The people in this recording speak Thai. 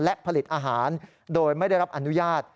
และผลิตอาหารโดยไม่ได้รับอนุญาต